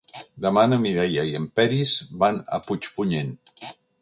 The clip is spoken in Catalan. Demà na Mireia i en Peris van a Puigpunyent.